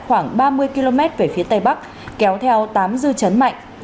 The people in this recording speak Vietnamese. khoảng ba mươi km về phía tây bắc kéo theo tám dư chấn mạnh